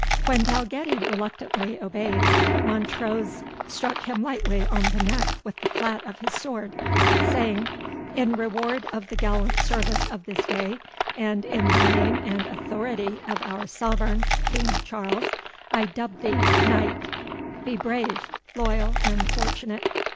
When Dalgetty reluctantly obeyed, Montrose struck him lightly on the neck with the flat of his sword, saying, "In reward of the gallant service of this day, and in the name and authority of our Sovereign, King Charles, I dub thee knight; be brave, loyal, and fortunate.